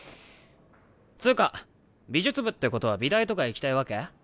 つぅか美術部ってことは美大とか行きたいわけ？